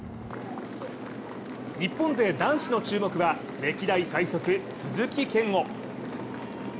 日本勢男子の注目は、歴代最速、鈴木健吾。